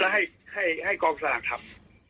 แล้วให้กองสลากทำ